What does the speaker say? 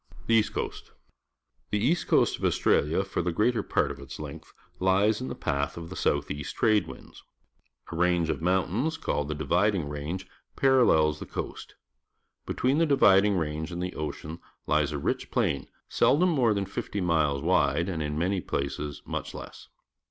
The East Coast. — The east coast of Aus traUa, for the greater part of its length, hes in the padh of the south east trade winds. A range of mountains, called the Dividing Range , pa i:allel<» th e co ast. Be tween the Dividing Range and the ocean lies a rich plain, seldom more than fifty g ules wide a nd in many places much less.